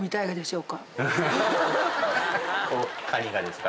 このカニがですか？